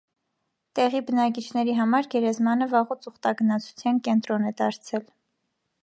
Տեղի բնակիչների համար գերեզմանը վաղուց ուխտագնացության կենտրոն է դարձել։